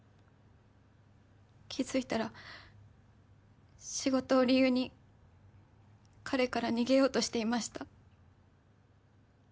気付いたら仕事を理由に彼から逃げようとしていました。